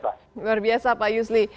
luar biasa pak yusli